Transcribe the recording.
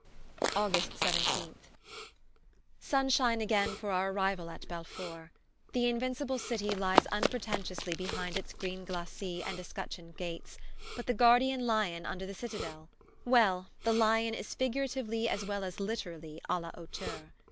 August 17th. Sunshine again for our arrival at Belfort. The invincible city lies unpretentiously behind its green glacis and escutcheoned gates; but the guardian Lion under the Citadel well, the Lion is figuratively as well as literally _a la hauteur.